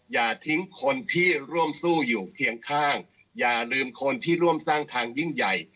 อย่าทิ้งคนที่ร่วมสู้อยู่เคียงข้างอย่าลืมคนที่ร่วมสร้างทางยิ่งใหญ่